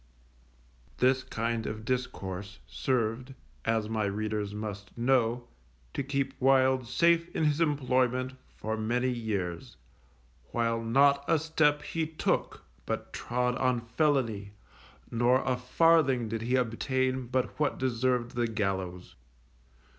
_ This kind of discourse served, as my readers must know, to keep Wild safe in his employment for many years, while not a step he took, but trod on felony, nor a farthing did he obtain but what deserved the gallows.